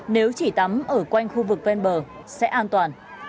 nếu chỉ tắm ở quanh khu vực ven bờ sẽ an toàn